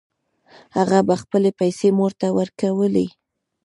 هغه به خپلې پیسې مور ته ورکولې